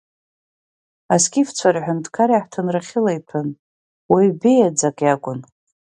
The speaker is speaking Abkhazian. Аскифцәа рҳәынҭқар иаҳҭынра хьыла иҭәын, уаҩ беиаӡак иакәын.